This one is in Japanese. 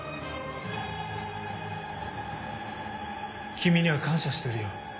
君には感謝してるよ。